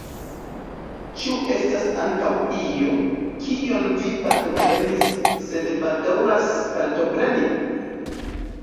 Ĉu estas ankaŭ io, kion vi partoprenis, sed bedaŭras partopreni?